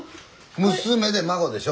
娘で孫でしょ？